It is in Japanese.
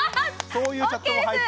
そういうチャットも入ってる。